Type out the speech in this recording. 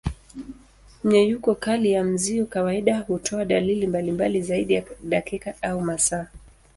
Mmenyuko kali ya mzio kawaida hutoa dalili mbalimbali zaidi ya dakika au masaa.